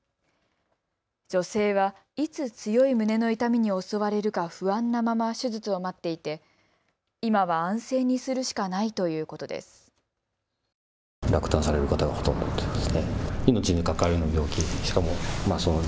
女性は、いつ強い胸の痛みに襲われるか不安なまま手術を待っていて今は安静にするしかないということです。